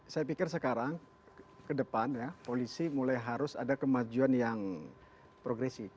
saya pikir sekarang ke depan ya polisi mulai harus ada kemajuan yang progresif